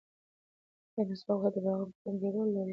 ایا مسواک وهل د بلغم په کمولو کې رول لري؟